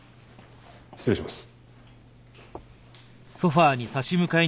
失礼します。